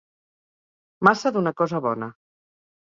Massa d'una cosa bona